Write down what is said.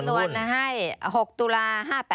สำนวนให้๖ตุลา๕๘